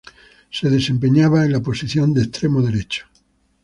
Se desempeñaba en la posición de extremo derecho.